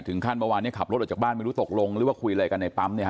ขั้นเมื่อวานนี้ขับรถออกจากบ้านไม่รู้ตกลงหรือว่าคุยอะไรกันในปั๊มเนี่ยฮ